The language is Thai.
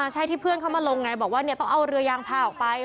ใช่ที่เพื่อนเขามาลงไงบอกว่าต้องเอาเรือยางพาออกไป